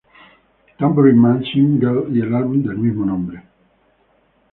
Tambourine Man "single y el álbum del mismo nombre.